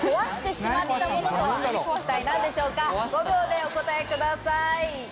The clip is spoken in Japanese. ５秒でお答えください。